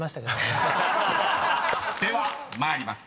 ［では参ります］